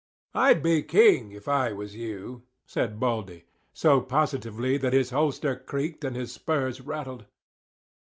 "I'd be king if I was you," said Baldy, so positively that his holster creaked and his spurs rattled.